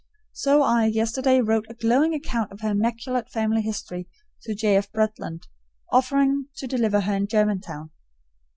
So I yesterday wrote a glowing account of her immaculate family history to J. F. Bretland, offering to deliver her in Germantown.